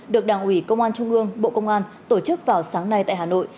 được đảng ủy công an trung ương bộ công an tổ chức vào sáng nay tại hà nội